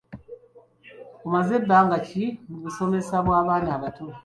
Omaze bbanga ki mu busomesa bw’abaana abato?